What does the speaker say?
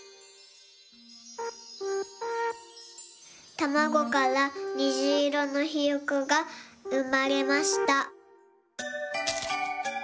たまごからにじいろのひよこがうまれました。